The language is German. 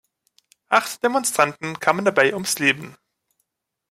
Acht Demonstranten kamen dabei ums Leben.